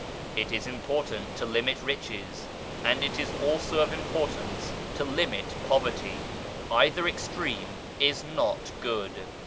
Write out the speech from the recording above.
It is important to limit riches, as it is also of importance to limit poverty. Either extreme is not good.